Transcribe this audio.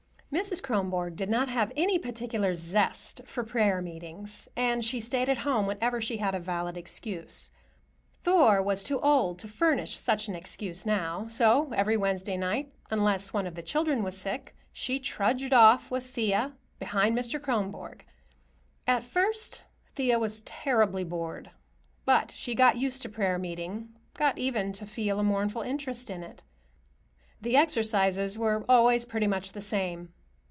Mrs. Kronborg did not have any particular zest for prayer meetings, and she stayed at home whenever she had a valid excuse. Thor was too old to furnish such an excuse now, so every Wednesday night, unless one of the children was sick, she trudged off with Thea, behind Mr. Kronborg. At first Thea was terribly bored. But she got used to prayer meeting, got even to feel a mournful interest in it. The exercises were always pretty much the same.